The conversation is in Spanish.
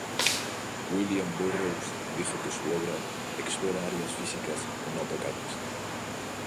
William Burroughs dijo que su obra "explora áreas físicas no tocadas".